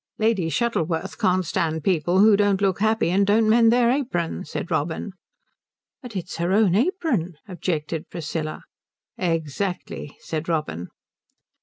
"Lady Shuttleworth can't stand people who don't look happy and don't mend their apron," said Robin. "But it's her own apron," objected Priscilla. "Exactly," said Robin.